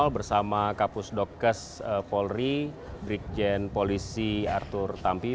bersama kapus dokkes polri brikjen polisi arthur tampi